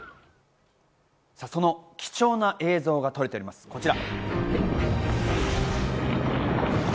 その貴重な映像が撮れております、こちら。